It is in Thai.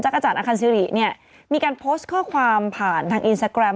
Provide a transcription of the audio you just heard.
กระจ่าคันซิริเนี่ยมีการโพสต์ข้อความผ่านทางอินสตาแกรม